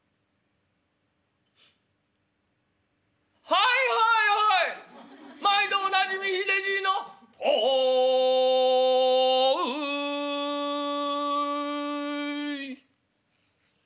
「『はいはいはい毎度おなじみひでじいの』『豆腐い』」。